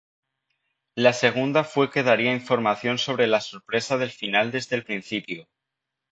La segunda fue que daría información sobre la sorpresa del final desde el principio.